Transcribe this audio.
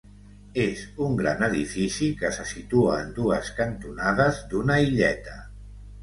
És un gran edifici, que se situa en dues cantonades d'una illeta.